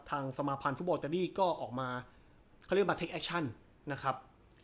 ทางสมาภัณฑ์ฟุตบอลเตอรี่ก็ออกมาเขาเรียกว่านะครับ